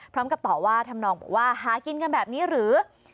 พร้อมกับต่อว่าทำนองบอกว่าหากินกันแบบนี้หรือ